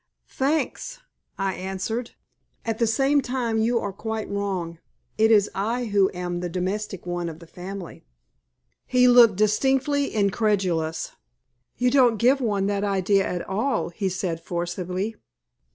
"Thanks," I answered. "At the same time you are quite wrong. It is I who am the domestic one of the family." He looked distinctly incredulous. "You don't give one that idea at all," he said, forcibly.